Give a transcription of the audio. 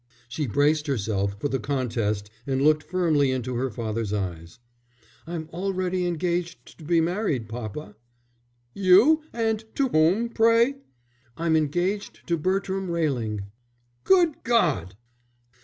She braced herself for the contest and looked firmly into her father's eyes. "I'm already engaged to be married, papa." "You? And to whom, pray?" "I'm engaged to Bertram Railing." "Good God!"